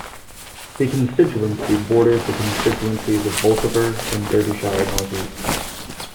The constituency borders the constituencies of Bolsover and Derbyshire North East.